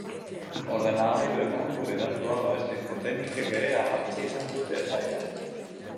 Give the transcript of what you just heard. Ordenagailuetan gure datuak babesteko teknikek ere garrantzia izan dute saioan.